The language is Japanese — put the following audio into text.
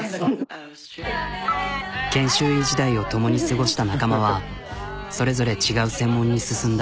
研修医時代を共に過ごした仲間はそれぞれ違う専門に進んだ。